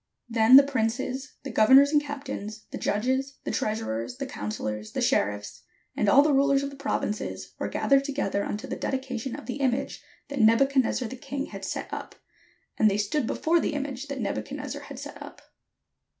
Then the princes, the governors, and captains, the judges, the treasurers, the counsellors, the sheriffs, and all the rulers of the prov inces, were gathered together unto the dedication of the image that Nebuchadnezzar the king had set up; and they stood before the image that Nebuchadnezzar had set up.